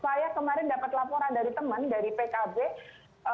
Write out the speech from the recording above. saya kemarin dapat laporan dari teman dari pkb